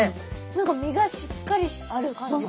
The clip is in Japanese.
何か身がしっかりある感じがします。